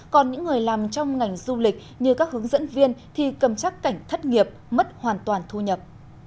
còn những người làm trong ngành du lịch như các hướng dẫn viên thì cầm chắc cảnh thất nghiệp mất hoàn toàn thu nhập